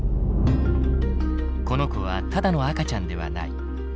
この子はただの赤ちゃんではない。